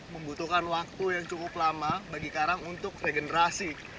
membutuhkan waktu yang cukup lama bagi karang untuk regenerasi